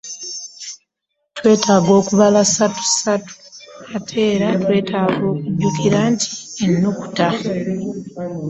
Twetaaga okubala ssatu, ssatu, era twetaaga okujjukira nti ennukuta.